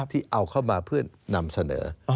ที่เอาเข้ามาเพื่อนำเสนอ